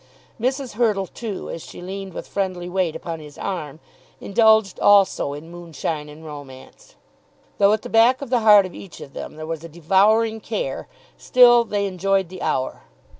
Mrs. Hurtle, too, as she leaned with friendly weight upon his arm, indulged also in moonshine and romance. Though at the back of the heart of each of them there was a devouring care, still they enjoyed the hour.